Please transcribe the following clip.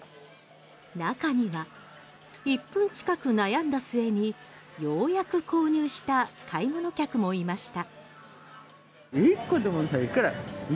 中には１分近く悩んだ末にようやく購入した買い物客もいました。